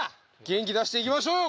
元気出していきましょう！